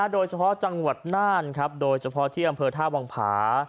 โดยเฉพาะจังหวัดน่านโดยเฉพาะที่อำเภอท่าวังผา